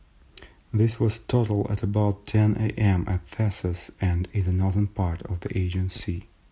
This was total at about 10 a.m. at Thasos and in the northern part of the Ægean Sea.